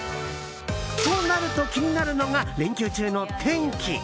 となると、気になるのが連休中の天気。